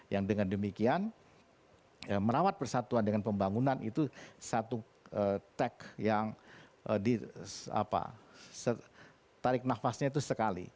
yang dengan demikian merawat persatuan dengan pembangunan itu satu tek yang ditarik nafasnya itu sekali